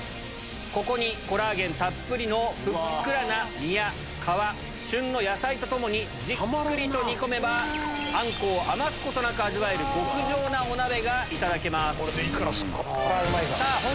ここにコラーゲンたっぷりのふっくらな身や皮旬の野菜と共にじっくりと煮込めばアンコウを余すことなく味わえる極上なお鍋がいただけます。